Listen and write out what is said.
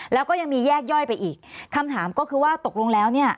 แล้วก็ยังมีแยกย่อยไปอีกคำถามก็คือว่าตกลงแล้วเนี่ย